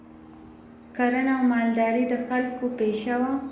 کرنه او مالداري د خلکو پیشه وه